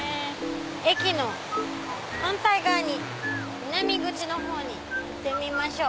駅の反対側に南口の方に行ってみましょう。